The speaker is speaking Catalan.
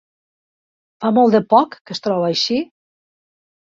Fa molt de poc que es troba així?